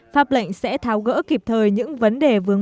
pháp lệnh sẽ tháo gỡ kịp thời những vấn đề vướng